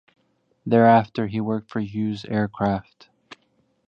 Thereafter he worked for Hughes Aircraft.